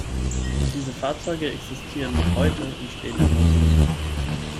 Diese Fahrzeuge existieren noch heute und stehen im Museum.